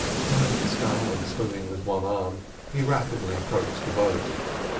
Towing the scull and swimming with one arm, he rapidly approached the boat.